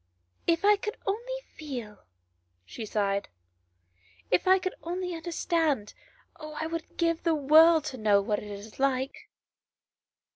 " If I could only feel," she sighed, " if I could only understand ; oh, I would give the world to know what it is like."